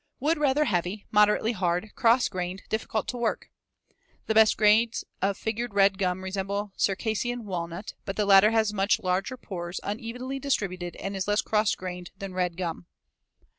Wood rather heavy, moderately hard, cross grained, difficult to work. The best grades of figured red gum resemble Circassian walnut, but the latter has much larger pores unevenly distributed and is less cross grained than red gum.